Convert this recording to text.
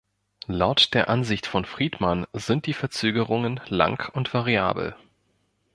Laut der Ansicht von "Friedman" sind die Verzögerungen lang und variabel.